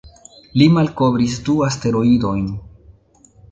Li malkovris du asteroidojn.